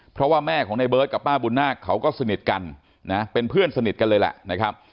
เพราะว่าแม่ของในเบิร์ตกับป้าบุญนาคเขาก็สนิทกันนะเป็นเพื่อนสนิทกันเลยแหละนะครับ